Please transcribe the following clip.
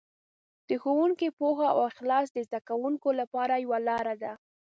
د ښوونکي پوهه او اخلاص د زده کوونکو لپاره یوه لاره ده.